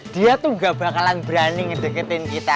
dia tuh gak bakalan berani ngedeketin kita